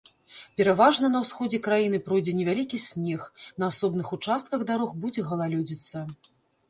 Пераважна на ўсходзе краіны пройдзе невялікі снег, на асобных участках дарог будзе галалёдзіца.